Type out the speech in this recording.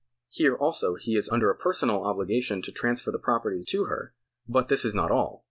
Here also he is under a personal obligation to transfer the property to her, but this is not all.